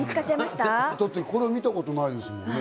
だってこれ、見たことないですもんね。